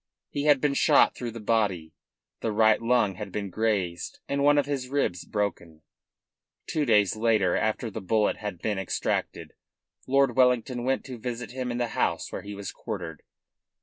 He had been shot through the body, the right lung had been grazed and one of his ribs broken. Two days later, after the bullet had been extracted, Lord Wellington went to visit him in the house where he was quartered.